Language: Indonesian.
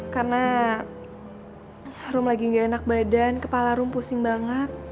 karena rum lagi gak enak badan kepala rum pusing banget